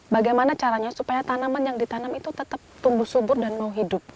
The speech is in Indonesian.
bagaimana caranya supaya tanaman yang ditanam itu tetap tumbuh subur dan mau hidup